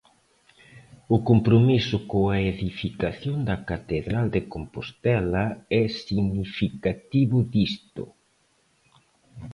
O compromiso coa edificación da catedral de Compostela é significativo disto.